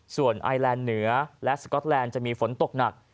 ส่วนไอแลนด์เหนือและสก๊อตแลนด์จะมีฝนตกหนัก